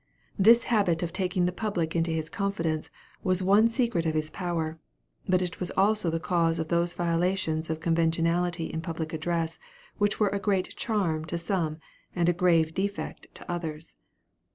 This habit of taking the public into his confidence was one secret of his power, but it was also the cause of those violations of conventionality in public address which were a great charm to some and a grave defect to others.